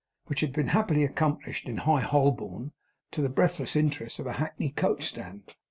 Which had been happily accomplished, in High Holborn, to the breathless interest of a hackney coach stand.